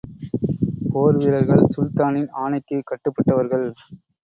போர் வீரர்கள் சுல்தானின் ஆணைக்குக் கட்டுபட்டவர்கள்.